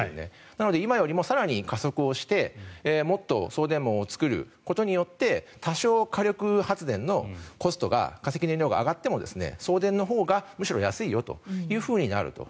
なので今よりも更に加速してもっと送電網を作ることによって多少、火力発電のコストが化石燃料が上がっても送電のほうがむしろ安いよというふうになると。